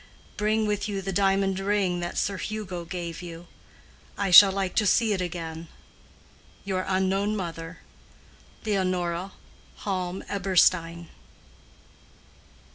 Bring with you the diamond ring that Sir Hugo gave you. I shall like to see it again.—Your unknown mother, LEONORA HALM EBERSTEIN.